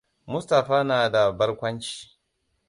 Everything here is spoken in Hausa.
Mustapha na da barkwanci.